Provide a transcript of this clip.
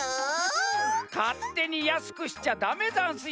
かってにやすくしちゃダメざんすよ！